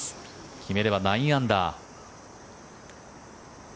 決めれば９アンダー。